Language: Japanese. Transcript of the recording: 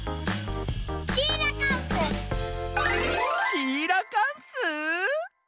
シーラカンス！